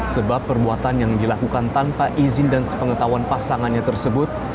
sebab perbuatan yang dilakukan tanpa izin dan sepengetahuan pasangannya tersebut